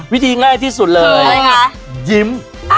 วิธีง่ายที่สุดเลยยิ้ม